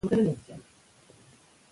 مور د ماشوم د خوب ارام ساتي.